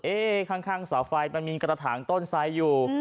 ข้างเสาไฟมันมีกระถางต้นไซด์อยู่